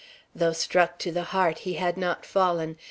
Though struck to the heart, he had not fallen.